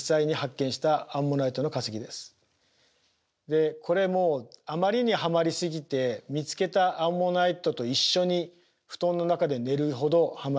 でこれもうあまりにはまりすぎて見つけたアンモナイトと一緒に布団の中で寝るほどはまりました。